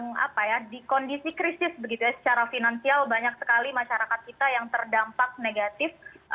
yang apa ya di kondisi krisis begitu ya secara finansial banyak sekali masyarakat kita yang terdampak negatif